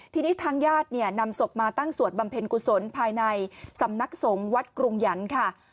ทีนี้ทางญาติเนี่ยนำศพมาตั้งสวดบำเพ็ญกุศลภายในสำนักสงฆ์วัดกรุงหยันค่ะ